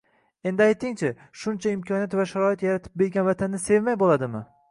Endi ayting-chi, shuncha imkoniyat va sharoitni yaratib bergan vatanni sevmay bo‘ladimi?